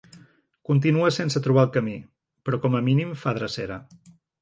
Continua sense trobar el camí, però com a mínim fa drecera.